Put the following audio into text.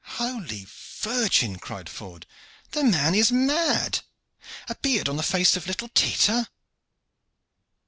"Holy Virgin!" cried Ford, "the man is mad. A beard on the face of little Tita!"